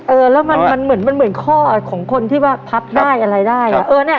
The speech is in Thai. เออแล้วมันเหมือนข้อของคนที่ว่าพับได้อะไรได้